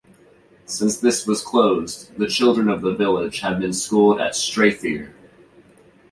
Since this was closed, the children of the village have been schooled at Strathyre.